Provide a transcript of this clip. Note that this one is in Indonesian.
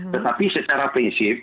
tetapi secara prinsip